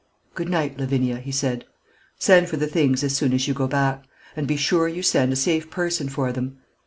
"Good night, Lavinia," he said. "Send for the things as soon as you go back; and be sure you send a safe person for them."